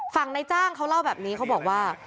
ในจ้างเขาเล่าแบบนี้เขาบอกว่า